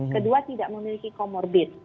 kedua tidak memiliki comorbid